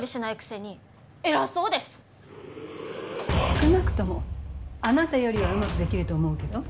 少なくともあなたよりはうまくできると思うけど。